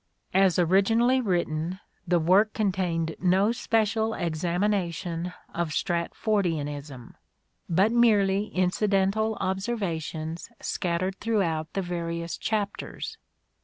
As originally written the work contained no special examination of Stratfordianism, but merely incidental observations scattered throughout the various chapters.